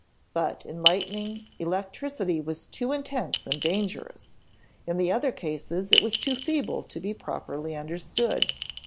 But in lightning electricity was too intense and dangerous; in the other cases it was too feeble to be properly understood.